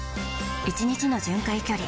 １日の巡回距離